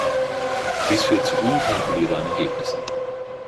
Dies führt zu unkalkulierbaren Ergebnissen.